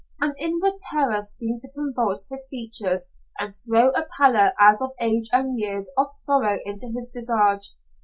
An inward terror seemed to convulse his features and throw a pallor as of age and years of sorrow into his visage.